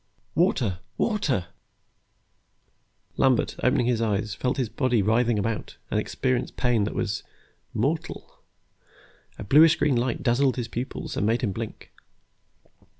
"Water, water!" Lambert, opening his eyes, felt his body writhing about, and experienced pain that was mortal. A bluish green light dazzled his pupils and made him blink.